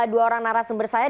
dua orang narasumber saya